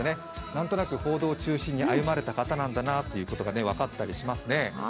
なんとなく報道中心に歩まれた方なんだなってことが分かったりしますね。